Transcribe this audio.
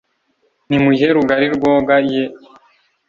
nimuyihe rugari rwoga ye